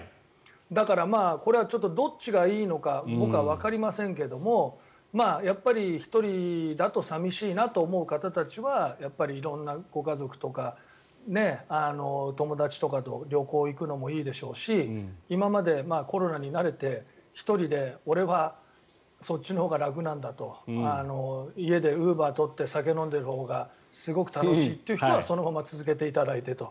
だから、これはどっちがいいのか僕はわかりませんがやっぱり、１人だと寂しいなと思う方たちはやっぱり色んなご家族とか友達とかと旅行に行くのもいいでしょうし今までコロナに慣れて１人で俺はそっちのほうが楽なんだと家でウーバー取って酒を飲んでいるほうがすごく楽しいという人はそのまま続けていただいてと。